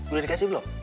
udah dikasih belum